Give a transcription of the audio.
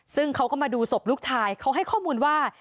ซึ่งเขาก็มาดูศพลูกชายเขาให้ข้อมูลว่า